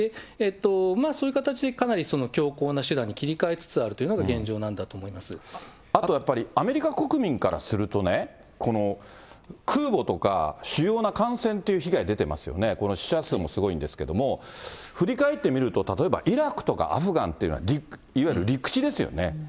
そういう形で、かなり強硬な手段に切り替えつつあるというのが現状なんだと思いあとやっぱり、アメリカ国民からするとね、空母とか主要な艦船っていう被害が出てますよね、この死者数もすごいんですけれども、振り返って見ると、例えばイラクとかアフガンっていうのは、いわゆる陸地ですよね。